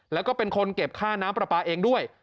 แล้วก็เป็นคนเก็บค่าน้ำปลาปลาเองด้วย